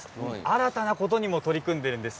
新たなことにも取り組んでいます。